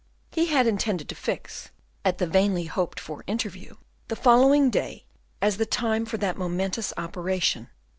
He had intended to fix, at the vainly hoped for interview, the following day as the time for that momentous operation.